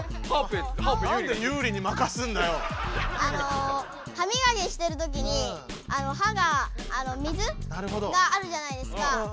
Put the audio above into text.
あのはみがきしてるときにはが水があるじゃないですか。